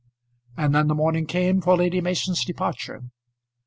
And then the morning came for Lady Mason's departure.